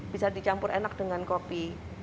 bisa dicampur enak dengan kopi